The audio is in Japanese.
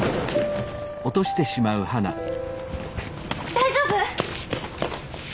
大丈夫！？